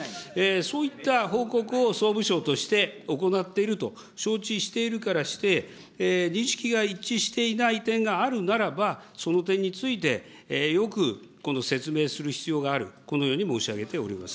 そういった報告を総務省として行っていると承知しているからして、認識が一致していない点があるならば、その点についてよく説明する必要がある、このように申し上げております。